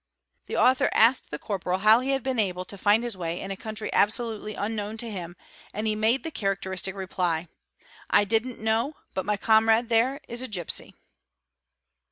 The author asked the corporal how he had been able o find his way in a country absolutely unknown to him, and he made the haracteristic reply :—''I didn't know, but my comrade there, is a gipsy.""